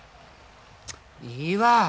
いいわ。